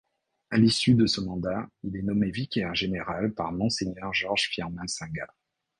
À l'issue de ce mandat, il est nommé vicaire général par Monseigneur Georges-Firmin Singha.